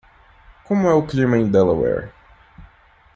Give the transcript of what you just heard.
Como é o clima em Delaware?